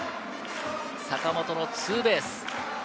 坂本のツーベース。